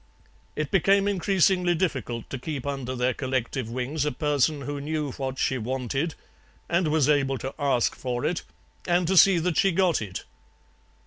It became increasingly difficult to keep under their collective wings a person who knew what she wanted and was able to ask for it and to see that she got it.